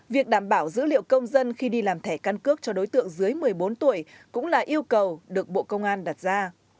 việc đảm bảo dữ liệu công dân khi đi làm thẻ căn cước cho đối tượng dưới một mươi bốn tuổi cũng là yêu cầu được bộ công an đặt ra